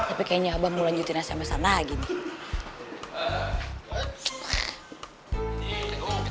tapi kayaknya abah mau lanjutin sms an lagi nih